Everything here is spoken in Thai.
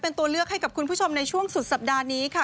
เป็นตัวเลือกให้กับคุณผู้ชมในช่วงสุดสัปดาห์นี้ค่ะ